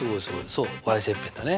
そう切片だね。